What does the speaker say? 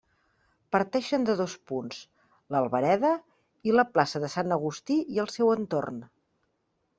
Parteixen de dos punts: l'Albereda i la plaça de Sant Agustí i el seu entorn.